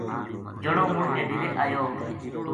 جنو مڑ کے ڈیرے ایو